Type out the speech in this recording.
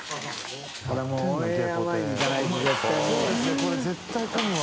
これ絶対混むわ。